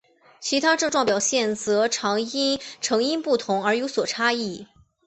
其他症状表现则常因成因不同而有所差异。